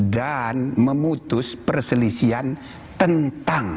dan memutus perselisihan tentang